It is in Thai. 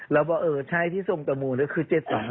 แล้วบอกเออใช่ที่ทรงตมือคือ๗๒๖